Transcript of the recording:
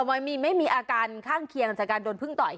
ไม่มีอาการข้างเคียงจากการโดนพึ่งต่อย